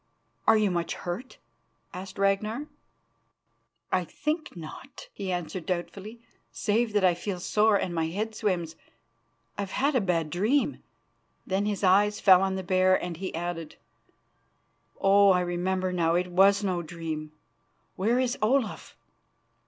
"Are you much hurt?" asked Ragnar. "I think not," he answered doubtfully, "save that I feel sore and my head swims. I have had a bad dream." Then his eyes fell on the bear, and he added: "Oh, I remember now; it was no dream. Where is Olaf?"